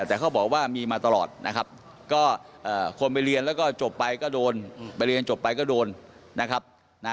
แต่เขาบอกว่ามีตลอดก็คนไปเรียนแล้วจบไปก็โดน